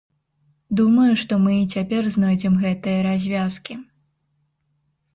Думаю, што мы і цяпер знойдзем гэтыя развязкі.